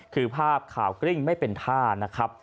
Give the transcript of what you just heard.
คือภาพข่าวกริ่งไม่เป็นท่า